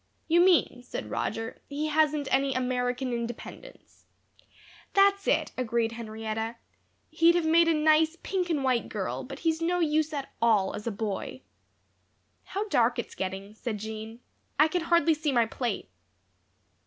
"You mean," said Roger, "he hasn't any American independence." "That's it," agreed Henrietta. "He'd have made a nice pink and white girl, but he's no use at all as a boy." "How dark it's getting," said Jean. "I can hardly see my plate."